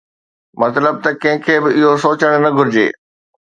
مطلب ته ڪنهن کي به اهو سوچڻ نه گهرجي